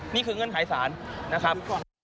นี่คือเงื่อนหายสารนะครับ